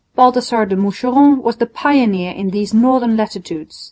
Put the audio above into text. Balthazar de Moucheron was the pioneer in these northern latitudes.